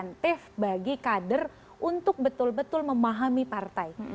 insentif bagi kader untuk betul betul memahami partai